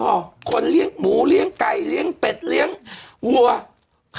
คนเลี้ยงหมูเลี้ยงไก่เลี้ยงเป็ดเลี้ยงวัว